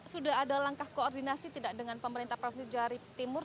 sudah ada langkah koordinasi tidak dengan pemerintah provinsi jawa timur